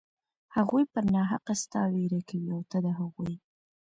هغوى پر ناحقه ستا وير کوي او ته د هغوى.